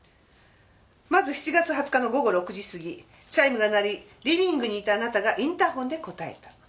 まず７月２０日の午後６時過ぎチャイムが鳴りリビングにいたあなたがインターホンで答えた。